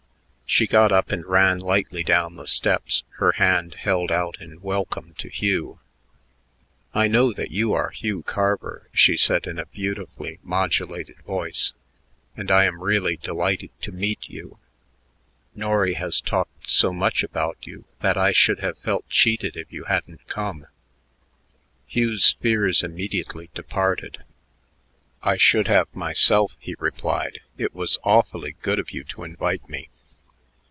She got up and ran lightly down the steps, her hand held out in welcome to Hugh. "I know that you are Hugh Carver," she said in a beautifully modulated voice, "and I am really delighted to meet you. Norry has talked so much about you that I should have felt cheated if you hadn't come." Hugh's fears immediately departed. "I should have myself," he replied. "It was awfully good of you to invite me."